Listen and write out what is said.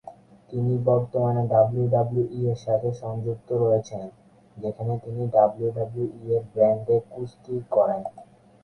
তিনি বর্তমানে ডাব্লিউডাব্লিউইর সাথে সংযুক্ত রয়েছেন, যেখানে তিনি ডাব্লিউডাব্লিউই র ব্র্যান্ডে কুস্তি করেন।